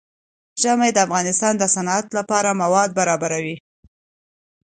ژمی د افغانستان د صنعت لپاره مواد برابروي.